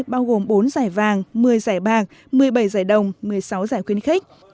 bao gồm bốn giải vàng một mươi giải bạc một mươi bảy giải đồng một mươi sáu giải khuyến khích